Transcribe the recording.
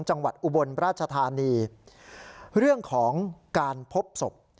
จังหวัดอุบลราชธานีเรื่องของการพบสบ